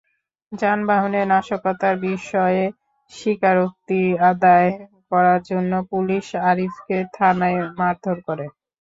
যানবাহনে নাশকতার বিষয়ে স্বীকারোক্তি আদায় করার জন্য পুলিশ আরিফকে থানায় মারধর করে।